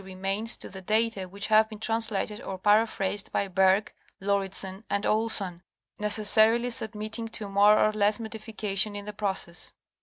remains to the data which have been translated or paraphrased by Bergh, Lauridsen and Olson, necessarily submitting to more or less modification in the process.